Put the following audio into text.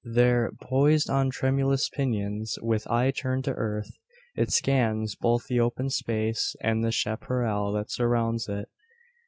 There, poised on tremulous pinions, with eye turned to earth, it scans both the open space and the chapparal that surrounds it.